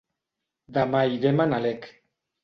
Demà irem a Nalec.